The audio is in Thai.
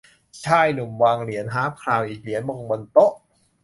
ชายหนุ่มวางเหรียญฮาล์ฟคราวน์อีกเหรียญลงบนโต๊ะ